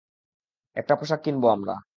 একটা পোশাক কিনবো আমরা।